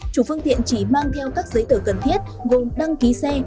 chủ phương tiện chỉ mang theo các giấy tờ cần thiết gồm đăng ký xe